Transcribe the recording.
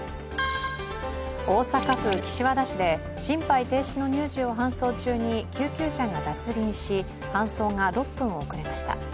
大阪府岸和田市で心肺停止の乳児を搬送中に救急車が脱輪し搬送が６分遅れました。